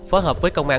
phó hợp với công an